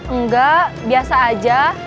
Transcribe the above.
enggak biasa aja